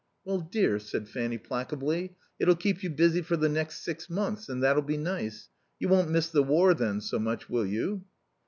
"Well, dear," said Fanny placably, "it'll keep you busy for the next six months, and that'll be nice. You won't miss the war then so much, will you?"